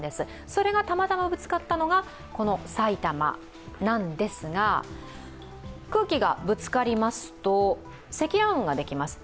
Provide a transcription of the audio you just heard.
それがたまたまぶつかったのが埼玉なんですが、空気がぶつかりますと積乱雲ができます。